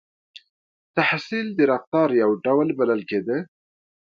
• تحصیل د رفتار یو ډول بلل کېده.